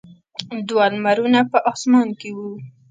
دوه لمرونه په اسمان کې وو.